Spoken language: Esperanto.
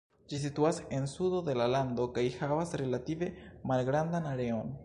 Ĝi situas en sudo de la lando kaj havas relative malgrandan areon.